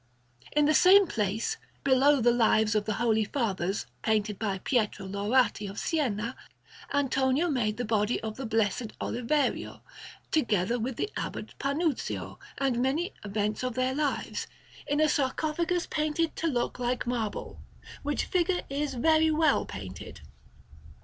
In the same place, below the lives of the Holy Fathers painted by Pietro Laurati of Siena, Antonio made the body of the Blessed Oliverio (together with the Abbot Panuzio, and many events of their lives), in a sarcophagus painted to look like marble; which figure is very well painted.